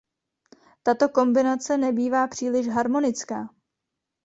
Tato kombinace nebývá příliš harmonická.